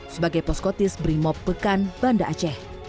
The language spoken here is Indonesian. sebagai poskotis brimob pekan banda aceh